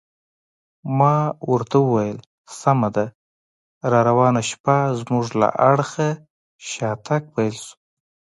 ما ورته وویل: سمه ده، راروانه شپه زموږ له اړخه شاتګ پیل شو.